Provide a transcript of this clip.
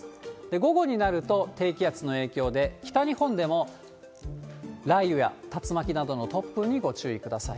午後になると、低気圧の影響で、北日本でも雷雨や竜巻などの突風にご注意ください。